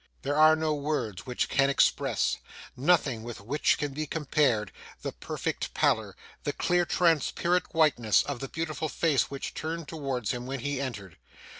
There are no words which can express, nothing with which can be compared, the perfect pallor, the clear transparent whiteness, of the beautiful face which turned towards him when he entered.